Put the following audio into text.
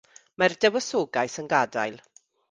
Mae'r Dywysoges yn gadael.